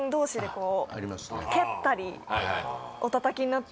こう